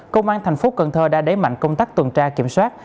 công an thành phố cần thơ đã đẩy mạnh công tác tuần tra kiểm soát